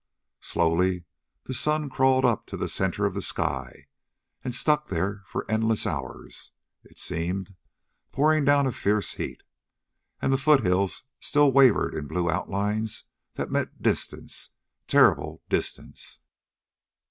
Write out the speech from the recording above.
Slowly the sun crawled up to the center of the sky and stuck there for endless hours, it seemed, pouring down a fiercer heat. And the foothills still wavered in blue outlines that meant distance terrible distance.